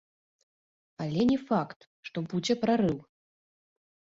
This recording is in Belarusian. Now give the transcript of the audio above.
Але не факт, што будзе прарыў.